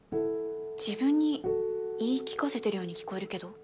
自分に言い聞かせてるように聞こえるけど？